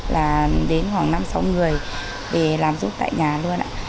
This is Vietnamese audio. là đến khoảng năm sáu người để làm giúp tại nhà luôn ạ